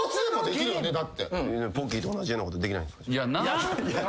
ポッキーと同じようなことできないんすか？